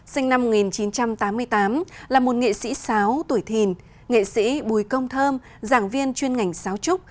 sinh năm một nghìn chín trăm tám mươi tám là một nghệ sĩ sáo tuổi thìn nghệ sĩ bùi công thơm giảng viên chuyên ngành xáo trúc